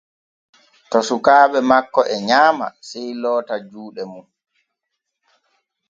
To sukaaɓe makko e nyaama sey loota juuɗe mum.